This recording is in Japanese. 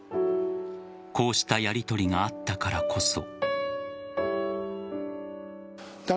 こうしたやりとりがあったからこそ。